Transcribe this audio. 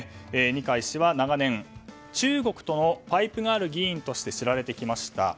二階氏は長年中国とのパイプがある議員として知られてきました。